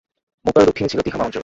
মক্কার দক্ষিণে ছিল তিহামা অঞ্চল।